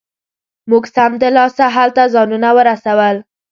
موږ سمدلاسه هلته ځانونه ورسول.